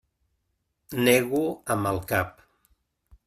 Nego amb el cap.